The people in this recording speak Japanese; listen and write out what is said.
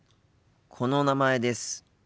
この「名前」です。